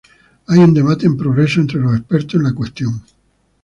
Hay un debate en progreso entre los expertos en la cuestión.